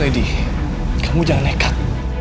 lady kamu jangan nekat